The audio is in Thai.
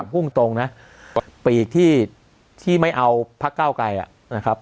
หุ้งตรงนะไปอีกที่ที่ไม่เอาภักดิ์เก้าไกรอ่ะนะครับ